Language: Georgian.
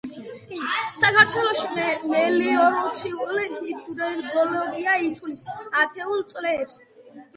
საქართველოში მელიორაციული ჰიდროგეოლოგია ითვლის ათეულ წლებს.